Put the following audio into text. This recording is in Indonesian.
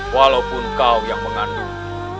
walaupun kau yang mengandung